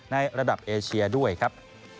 ในระดับเอเชียด้วยครับ